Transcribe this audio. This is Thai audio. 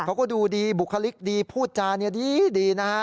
เขาก็ดูดีบุคลิกดีพูดจาเนี่ยดีนะฮะ